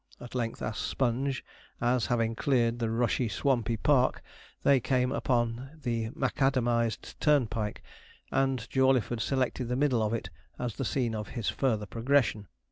at length asked Sponge, as, having cleared the rushy, swampy park, they came upon the macadamized turnpike, and Jawleyford selected the middle of it as the scene of his further progression.